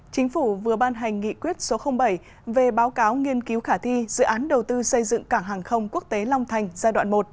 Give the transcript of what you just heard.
chính phủ vừa ban hành nghị quyết số bảy về báo cáo nghiên cứu khả thi dự án đầu tư xây dựng cảng hàng không quốc tế long thành giai đoạn một